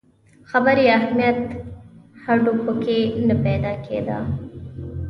خبري اهمیت هډو په کې نه پیدا کېده.